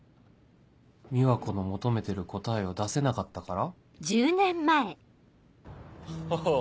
美和子の求めてる答えを出せなかったから？